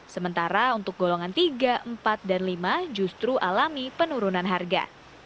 sementara untuk golongan tiga empat dan lima justru alami penurunan harga